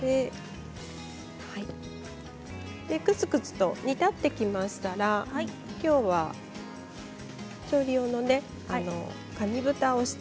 ぐつぐつと煮立ってきましたらきょうは調理用の紙ぶたをして。